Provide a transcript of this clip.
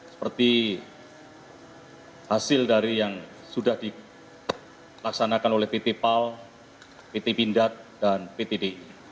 seperti hasil dari yang sudah dilaksanakan oleh pt pal pt bindad dan pt d